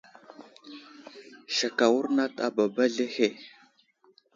Sek awurnat a baba aslehe.